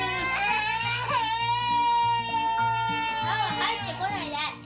入ってこないで。